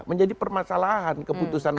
menjadi permasalahan keputusan munas